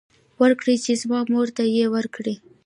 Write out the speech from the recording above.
ورکړ چې زما مور ته يې ورکړي.